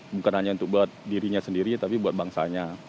bukan hanya untuk buat dirinya sendiri tapi buat bangsanya